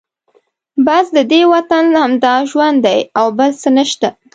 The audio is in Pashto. بس ددې وطن همدا ژوند دی او بل څه نشته.